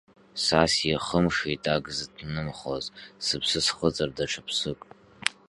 Са сихымшеит ак зыҭнымхоз, сыԥсы схыҵыр даҽа ԥсык.